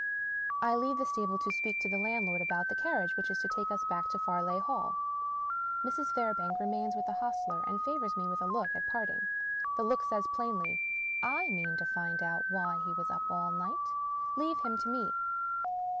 I leave the stable to speak to the landlord about the carriage which is to take us back to Farleigh Hall. Mrs. Fairbank remains with the hostler, and favors me with a look at parting. The look says plainly, "/ mean to find out why he was up all night. Leave him to Me."